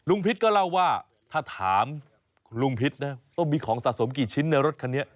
พิษก็เล่าว่าถ้าถามลุงพิษนะมีของสะสมกี่ชิ้นในรถคันนี้